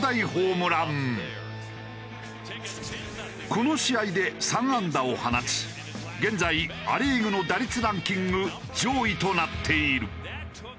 この試合で３安打を放ち現在ア・リーグの打率ランキング上位となっている。